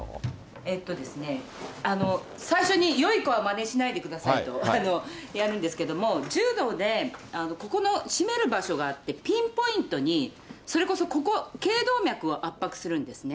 えっとですね、最初に、よい子はまねしないでくださいと、やるんですけれども、柔道でここの絞める場所があって、ピンポイントに、それこそここ、頸動脈を圧迫するんですね。